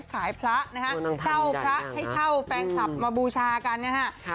พระนะฮะเช่าพระให้เช่าแฟนคลับมาบูชากันนะฮะ